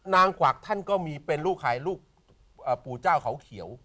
กวักท่านก็มีเป็นลูกขายลูกปู่เจ้าเขาเขียว